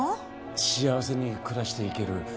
幸せに暮らしていける根拠。